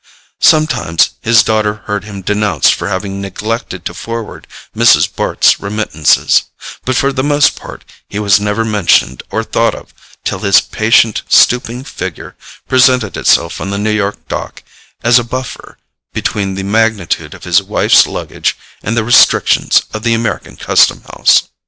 Sometimes his daughter heard him denounced for having neglected to forward Mrs. Bart's remittances; but for the most part he was never mentioned or thought of till his patient stooping figure presented itself on the New York dock as a buffer between the magnitude of his wife's luggage and the restrictions of the American custom house.